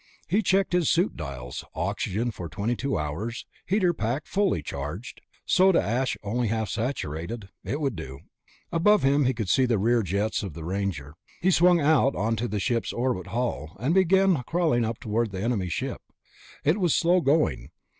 He checked his suit dials ... oxygen for twenty two hours, heater pack fully charged, soda ash only half saturated ... it would do. Above him he could see the rear jets of the Ranger. He swung out onto the orbit ship's hull, and began crawling up toward the enemy ship. It was slow going.